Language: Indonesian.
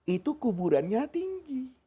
itu kuburannya tinggi